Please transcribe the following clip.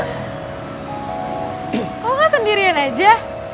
kau gak sendirian aja